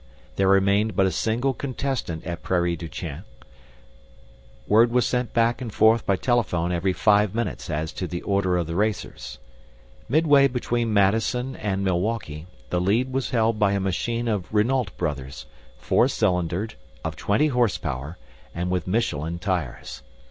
There remained but a single contestant at Prairie du chien. Word was sent back and forth by telephone every five minutes as to the order of the racers. Midway between Madison and Milwaukee, the lead was held by a machine of Renault brothers, four cylindered, of twenty horsepower, and with Michelin tires.